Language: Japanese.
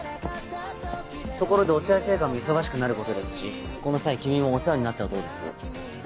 ところで落合製菓も忙しくなることですしこの際君もお世話になってはどうです。